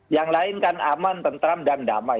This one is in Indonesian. yang lain kan aman tentram dan damai